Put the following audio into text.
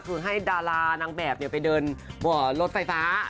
คือให้ดารานางแบบไปเดินรถไฟฟ้า